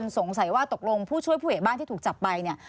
สงสัยว่าตกลงผู้ช่วยผู้ใหญ่บ้านที่ถูกจับไปเนี่ย